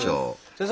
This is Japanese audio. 先生。